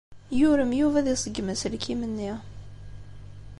Yurem Yuba ad iṣeggem aselkim-nni.